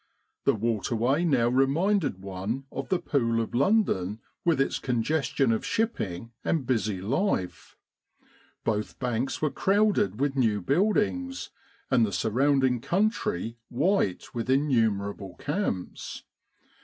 The waterway now reminded one of the Pool of Lon don with its congestion of shipping and busy life. Both banks were crowded with new buildings, and the surrounding country white with innumerable camps.